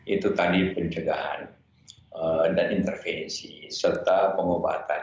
itu tadi pencegahan dan intervensi serta pengobatan